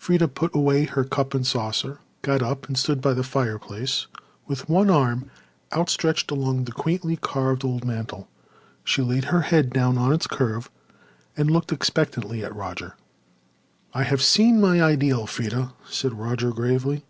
Freda put away her cup and saucer, got up, and stood by the fireplace, with one arm outstretched along the quaintly carved old mantel. She laid her head down on its curve and looked expectantly at Roger. "I have seen my ideal, Freda," said Roger gravely.